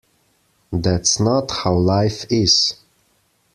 That's not how life is.